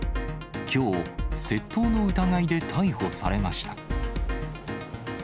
きょう、窃盗の疑いで逮捕されました。